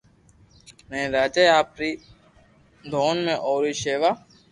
ھين راجا آپري دوھن ۾ اوري ݾيوا